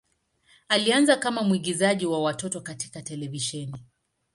Alianza kama mwigizaji wa watoto katika televisheni.